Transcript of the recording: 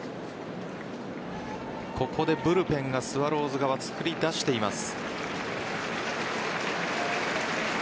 ここでブルペンをスワローズ側作りだしています。